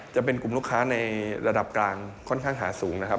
จะเป็นกลุ่มลูกค้าในระดับกลางค่อนข้างหาสูงนะครับ